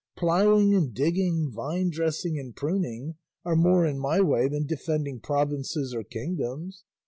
Ploughing and digging, vinedressing and pruning, are more in my way than defending provinces or kingdoms.